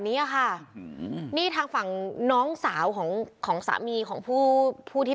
เนี้ยค่ะอืมนี่ทางฝั่งน้องสาวของของสามีของผู้ผู้ที่